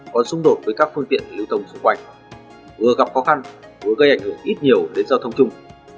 còn xung đột với các phương tiện lưu tông xung quanh vừa gặp khó khăn vừa gây ảnh hưởng ít nhiều đến giao thông chung